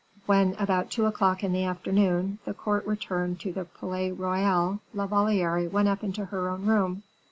When, about two o'clock in the afternoon, the court returned to the Palais Royal, La Valliere went up into her own room.